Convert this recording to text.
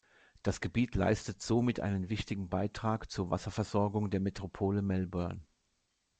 Das Gebiet leistet somit einen wichtigen Beitrag zur Wasserversorgung der Metropole Melbourne.